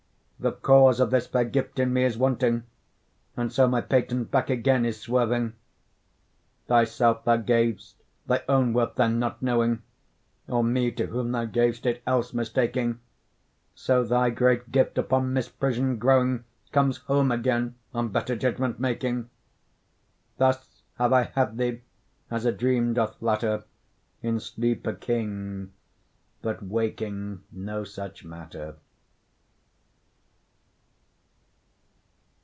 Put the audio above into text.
The cause of this fair gift in me is wanting, And so my patent back again is swerving. Thyself thou gav'st, thy own worth then not knowing, Or me to whom thou gav'st it, else mistaking; So thy great gift, upon misprision growing, Comes home again, on better judgement making. Thus have I had thee, as a dream doth flatter, In sleep a king, but waking no such matter.